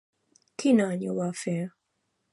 Quin any ho va fer?